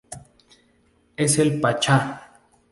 Es el pachá".